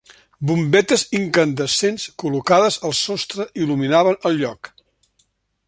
Bombetes incandescents col·locades al sostre il·luminaven el lloc.